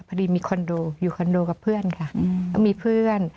พอดีมีคนดูอยู่คอนโดกับเพื่อนค่ะก็มีเพื่อน